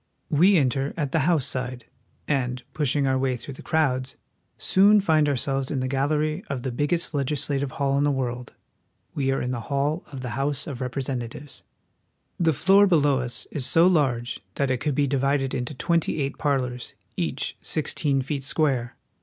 We enter at the House side, and, pushing our way through the crowds, soon find ourselves in the gallery of the biggest legislative hall in the world. We are in the hall of the House of Representatives. The floor below us is so large that it could be divided into twenty eight par lors, each sixteen feet square.